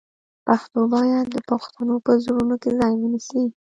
پښتو باید بیا د پښتنو په زړونو کې ځای ونیسي.